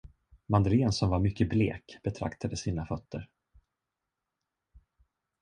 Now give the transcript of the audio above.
Madeleine, som var mycket blek, betraktade sina fötter.